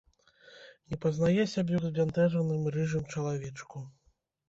Не пазнае сябе ў збянтэжаным рыжым чалавечку.